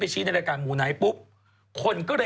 ปลาหมึกแท้เต่าทองอร่อยทั้งชนิดเส้นบดเต็มตัว